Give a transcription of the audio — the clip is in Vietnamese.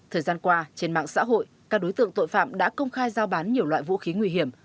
thời gian qua trên mạng xã hội các đối tượng tội phạm đã công khai giao bán nhiều loại vũ khí nguy hiểm